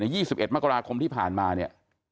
๒๑มกราคมที่ผ่านมาเนี่ย